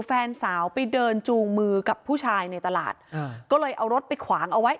แฟนสาวไปเดินจูงมือกับผู้ชายในตลาดก็เลยเอารถไปขวางเอาไว้